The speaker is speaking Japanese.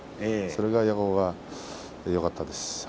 それが矢後は、よかったです。